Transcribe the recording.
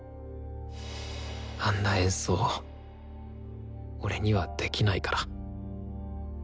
あんな演奏俺にはできないから。